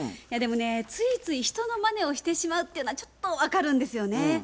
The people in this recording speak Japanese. でもねついつい人のマネをしてしまうっていうのはちょっと分かるんですよね。